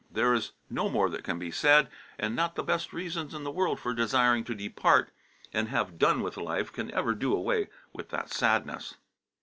There is no more that can be said, and not the best reasons in the world for desiring to depart and have done with life can ever do away with that sadness.